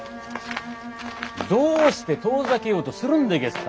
どうして遠ざけようとするんでげすか？